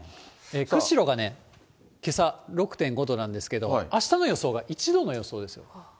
釧路がね、けさ６．５度なんですけど、あしたの予想が１度の予想ですよ。